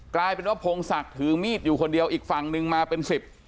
กลายเป็นว่าพงศักดิ์ถือมีดอยู่คนเดียวอีกฝั่งนึงมาเป็นสิบ